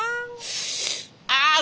ああ！